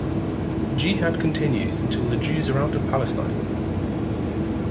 Jihad continues until the Jews are out of Palestine.